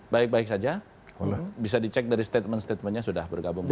baik baik saja bisa dicek dari statement statementnya sudah bergabung